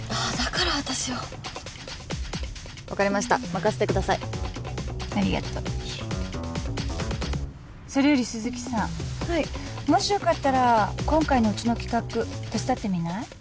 ありがとういえそれより鈴木さんはいもしよかったら今回のうちの企画手伝ってみない？